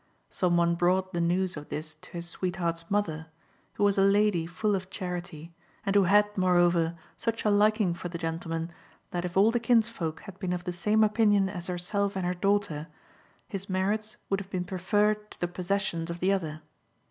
Some one brought the news of this to his sweetheart's mother, who was a lady full of charity, and who had, moreover, such a liking for the gentleman, that if all the kinsfolk had been of the same opinion as herself and her daughter, his merits would have been preferred to the possessions of the other.